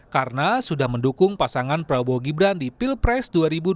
karena sudah mendukung pasangan prabowo gibran di pilpres dua ribu dua puluh empat